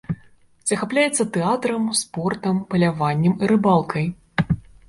Захапляецца тэатрам, спортам, паляваннем і рыбалкай.